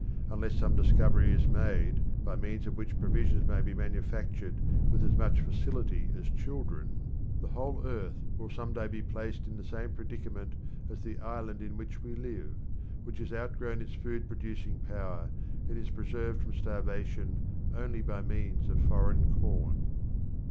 Unless some discovery is made by means of which provisions may be manufactured with as much facility as children, the whole earth will some day be placed in the same predicament as the island in which we live, which has outgrown its food producing power, and is preserved from starvation only by means of foreign corn.